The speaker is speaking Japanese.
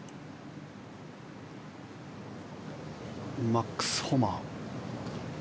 マックス・ホマ。